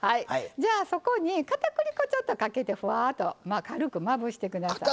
じゃあそこにかたくり粉ちょっとかけてふわっと軽くまぶして下さい。